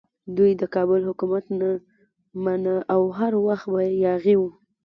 دوی د کابل حکومت نه مانه او هر وخت به یاغي وو.